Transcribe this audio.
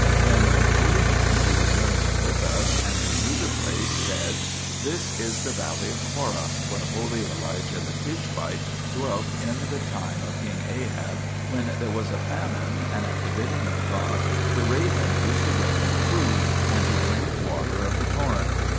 Then the holy men who were journeying with us, and who knew the place, said, " This is the valley of Corra, 1 where holy Elijah the Tishbite dwelt in the time of king Ahab, 2 when there was a famine, and at the bidding of God the raven used to bring him food, and he drank water of the torrent.